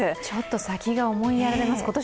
ちょっと先が思いやられます。